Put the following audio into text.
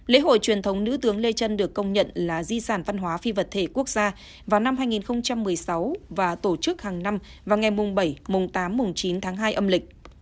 lễ hội truyền thống nữ tướng lê trân được công nhận là di sản văn hóa phi vật thể quốc gia vào năm hai nghìn một mươi sáu và tổ chức hàng năm vào ngày mùng bảy tám mùng chín tháng hai âm lịch